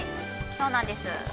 ◆そうなんです。